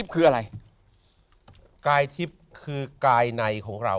กายทิพย์คืออะไร